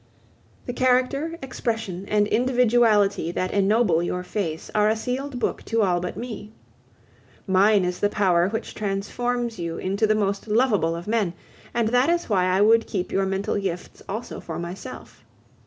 The character, expression, and individuality that ennoble your face are a sealed book to all but me. Mine is the power which transforms you into the most lovable of men, and that is why I would keep your mental gifts also for myself.